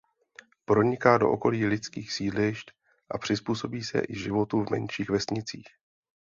Proniká do okolí lidských sídlišť a přizpůsobí se i životu v menších vesnicích.